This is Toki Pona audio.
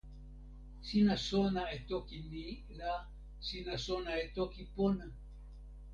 sina sona e toki ni la sina sona e toki pona!